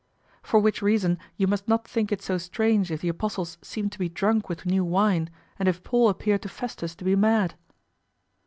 For which reason you must not think it so strange if the apostles seemed to be drunk with new wine, and if Paul appeared to Festus to be mad.